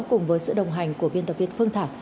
cùng với sự đồng hành của biên tập viên phương thảo